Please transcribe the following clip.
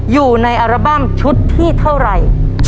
อยู่ในอาราบังชุดที่เท่าไร